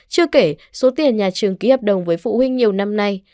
chưa kể số tiền nhà trường ký hợp đồng với phụ huynh nhiều năm nay